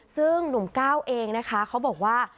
ซึ่งหนุ่มก้าวเองนะคะเขาบอกว่า